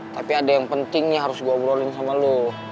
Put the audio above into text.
tapi ada yang pentingnya harus gue obrolin sama lo